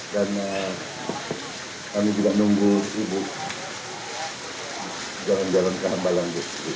dan kami juga nunggu ibu jalan jalan keambalan